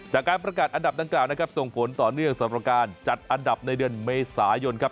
จากการประกาศอันดับดังกล่าวนะครับส่งผลต่อเนื่องสำหรับการจัดอันดับในเดือนเมษายนครับ